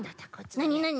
なになに？